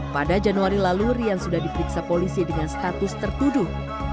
pada januari lalu rian sudah diperiksa polisi dengan status tertuduh